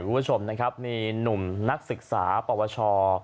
คุณผู้ชมนะครับมีหนุ่มนักศึกษาปวช